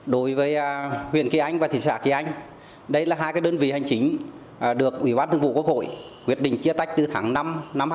đối với huyện kỳ anh và thị xã kỳ anh đây là hai đơn vị hành chính được ủy ban thường vụ quốc hội quyết định chia tách từ tháng năm năm hai nghìn một mươi